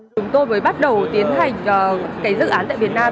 chúng tôi mới bắt đầu tiến hành dự án tại việt nam